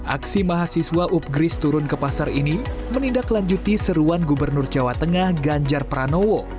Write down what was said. aksi mahasiswa upgris turun ke pasar ini menindaklanjuti seruan gubernur jawa tengah ganjar pranowo